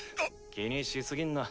気にし過ぎんな。